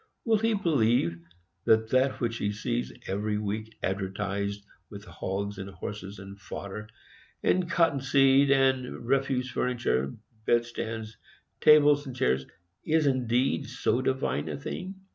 Will he believe that that which he sees, every week, advertised with hogs, and horses, and fodder, and cotton seed, and refuse furniture,—bedsteads, tables and chairs,—is indeed so divine a thing?